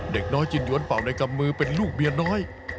เด็กน้อยจึงย้วนเป่าในกำมือเป็นลูกเมียน้อย